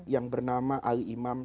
yang bernama alimam